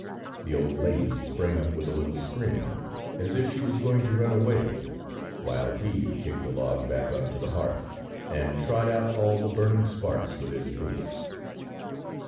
The old lady sprang up with a little scream, as if she was going to run away, while he kicked the log back onto the hearth and trod out all the burning sparks with his boots.